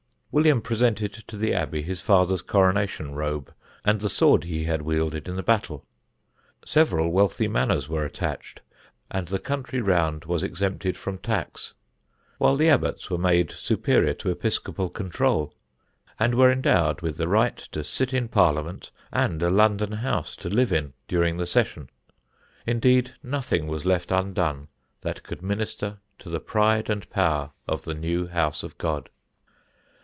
William presented to the Abbey his father's coronation robe and the sword he had wielded in the battle. Several wealthy manors were attached and the country round was exempted from tax; while the Abbots were made superior to episcopal control, and were endowed with the right to sit in Parliament and a London house to live in during the session. Indeed nothing was left undone that could minister to the pride and power of the new house of God.